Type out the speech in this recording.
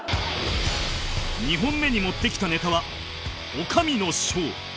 ２本目に持ってきたネタは「女将のショー」